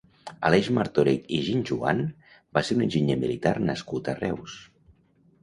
Aleix Martorell i Guinjoan va ser un enginyer militar nascut a Reus.